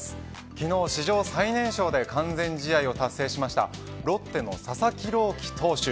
昨日史上最年少で完全試合を達成しましたロッテの佐々木朗希投手。